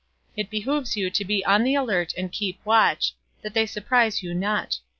It behoves you to be on the alert and keep watch, that they surprise you not.